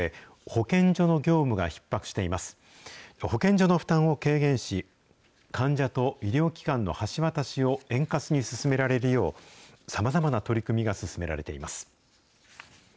保健所の負担を軽減し、患者と医療機関の橋渡しを円滑に進められるよう、さまざまな取り組みが進められています。